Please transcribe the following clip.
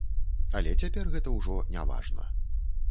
Але цяпер гэта ўжо не важна.